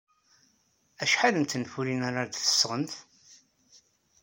Acḥal n tenfulin ara d-tesɣemt?